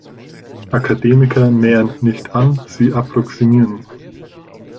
Akademiker nähern nicht an, sie approximieren.